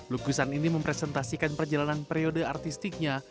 lukisan ini mempresentasikan perjalanan periode artistiknya